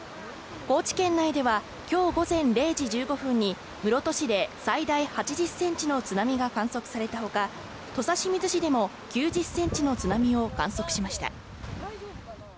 高知県内では、今日午前０時１５分に室戸市で最大８０センチの津波が観測されたほか、土佐清水市でも９０センチの津波を観測しました。